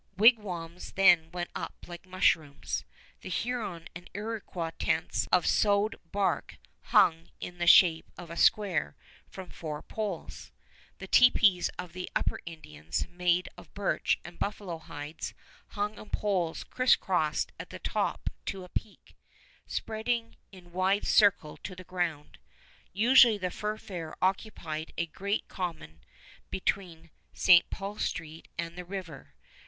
Wigwams then went up like mushrooms, the Huron and Iroquois tents of sewed bark hung in the shape of a square from four poles, the tepees of the Upper Indians made of birch and buffalo hides, hung on poles crisscrossed at the top to a peak, spreading in wide circle to the ground. Usually the Fur Fair occupied a great common between St. Paul Street and the river.